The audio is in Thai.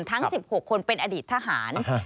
ทั้งสิบหกคนเป็นอดีตทหารอ่าฮะ